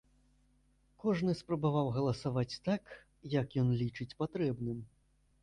Кожны спрабаваў галасаваць так, як ён лічыць патрэбным.